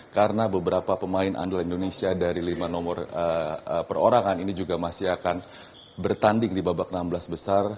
karena beberapa pemain andal indonesia dari lima nomor perorangan ini juga masih akan bertanding di babak enam belas besar